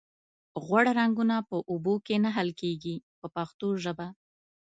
غوړ رنګونه په اوبو کې نه حل کیږي په پښتو ژبه.